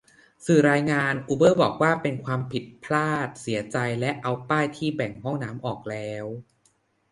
สื่อรายงาน อูเบอร์บอกว่าเป็นความผิดพลาด เสียใจ และเอาป้ายที่แบ่งห้องน้ำออกแล้ว